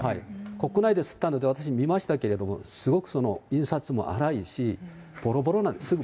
国内で刷ってるので私見ましたけれども、すごく印刷も粗いし、ぼろぼろなんです。